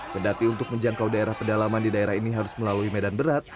kedati untuk menjangkau daerah pedalaman di daerah ini harus melalui medan berat